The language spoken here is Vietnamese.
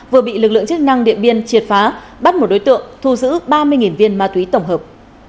vừa bị lực lượng chức năng điện biên triệt phá bắt một đối tượng thu giữ ba mươi viên ma túy tổng hợp